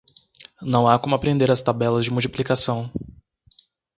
Não há como aprender as tabelas de multiplicação.